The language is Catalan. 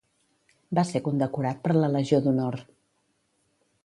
Va ser condecorat per la Legió d'Honor.